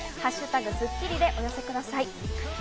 「＃スッキリ」でお寄せください。